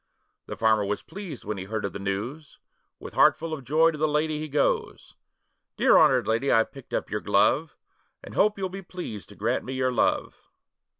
The farmer was pleased when he heard of the news, With heart full of joy to the lady he goes: 'Dear, honoured lady, I've picked up your glove, And hope you'll be pleased to grant me your love.